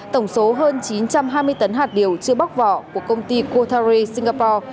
tổng số hơn chín trăm hai mươi tấn hạt điều chưa bóc vỏ của công ty kuthari singapore